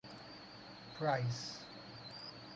Price.